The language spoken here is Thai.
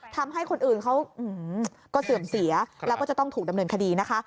ทำให้คนอื่นเขาก็เสื่อมเสียแล้วก็จะต้องถูกดำเนินคดีนะคะ